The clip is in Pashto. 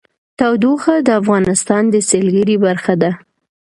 تودوخه د افغانستان د سیلګرۍ برخه ده.